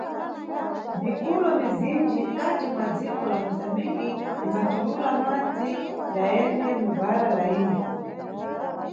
Mikulo mizinji nkhati mwa dziko la Moçambique imbathulula madzi yayene mu bhara la Indiko.